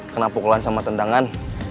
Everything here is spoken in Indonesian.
kena pukulan sama tendangan